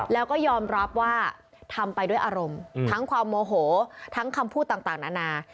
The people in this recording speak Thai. แล้วก็ยอมรับว่าทำไปด้วยอารมณ์ทั้งความโมโหทั้งคำพูดต่างนานา